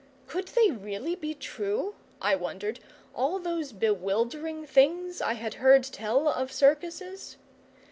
Could they really be true, I wondered, all those bewildering things I had heard tell of circuses?